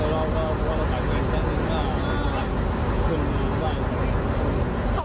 เราพักกันอย่างเท่านั้นถึงว่าขอบคุณก่อน